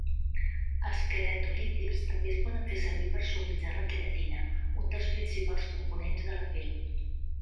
Els queratolítics també es poden fer servir per suavitzar la queratina, un dels principals components de la pell.